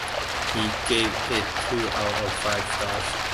He gave it two out of five stars.